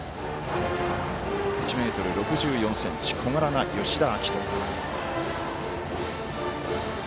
１ｍ６４ｃｍ、小柄な吉田暁登。